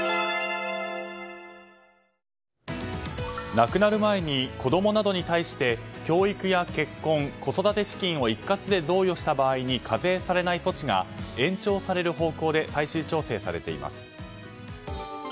亡くなる前に子供などに対して教育や結婚、子育て資金を一括で贈与した場合に課税されない措置が延長される方向で最終調整されています。